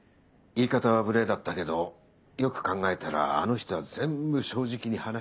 言い方は無礼だったけどよく考えたらあの人は全部正直に話してくれた。